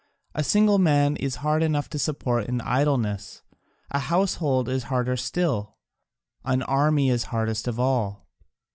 A single man is hard enough to support in idleness, a household is harder still, an army hardest of all.